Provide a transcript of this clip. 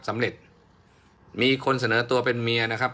สำเร็จมีคนเสนอตัวเป็นเมียนะครับ